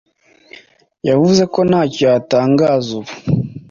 yavuze ko ntacyo yatangaza ubu